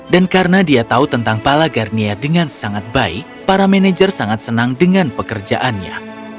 dan karena dia tahu tentang pala garnia dengan sangat baik para manajer sangat senang dengan pekerjaannya